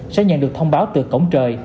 sẽ nhận được thông báo từ cổng trời